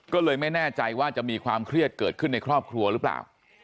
ก็เลยไม่แน่ใจว่าจะมีความเครียดเกิดขึ้นในครอบครัวหรือเปล่า